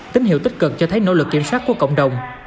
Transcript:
tín hiệu tích cực cho thấy nỗ lực kiểm soát của cộng đồng